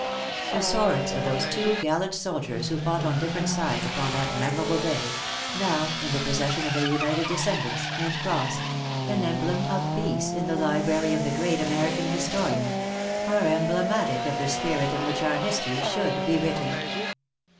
The swords of those two gallant soldiers who fought on different sides upon that memorable day now in the possession of their united descendants, and crossed an emblem of peace, in the library of the great American historian are emblematic of the spirit in which our history should be written.